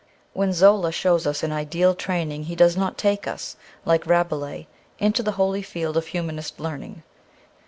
When Zola shows us an ideal training he does not take us, like Rabelais, into the happy fields of humanist learning.